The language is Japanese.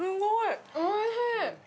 おいしい。